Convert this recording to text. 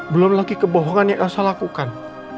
belum lagi kebohongan yang saya lakukan